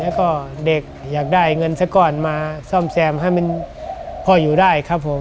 แล้วก็เด็กอยากได้เงินสักก้อนมาซ่อมแซมให้มันพ่ออยู่ได้ครับผม